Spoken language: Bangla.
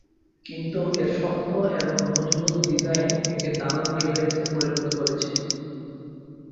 কিন্তু এর শক্ত এবং মজবুত ডিজাইন একে দারুণ ডিভাইসে পরিনত করেছে।